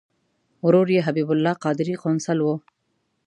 ورور یې حبیب الله قادري قونسل و.